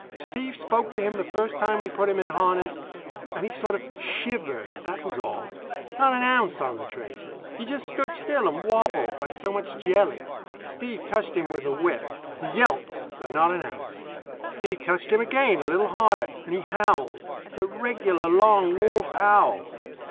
Steve spoke to him the first time we put him in harness, and he sort of shivered, that was all. Not an ounce on the traces. He just stood still and wobbled, like so much jelly. Steve touched him with the whip. He yelped, but not an ounce. Steve touched him again, a bit harder, and he howled the regular long wolf howl.